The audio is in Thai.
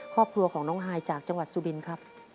ครอบครัวของน้องฮายจากจังหวัดสุรินครับ